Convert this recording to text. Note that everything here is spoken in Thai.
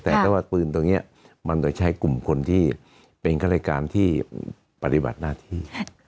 แต่ถ้าว่าปืนตรงนี้มันโดยใช้กลุ่มคนที่เป็นข้ารายการที่ปฏิบัติหน้าที่